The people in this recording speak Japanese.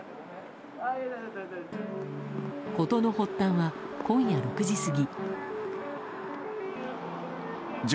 事の発端は今夜６時過ぎ。